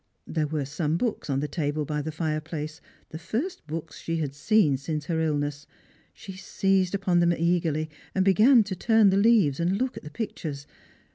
There were some books on the table by the fireplace, the first books she had seen since her illness. She seized upon them eagerly, and began to turn the leaves, and look at the pictures.